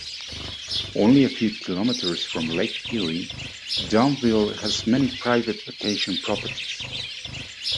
Only a few kilometres from Lake Erie, Dunnville has many private vacation properties.